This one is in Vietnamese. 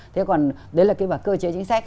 thế còn đấy là cái cơ chế chính sách